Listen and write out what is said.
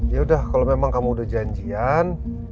ya udah kalau memang kamu udah janjian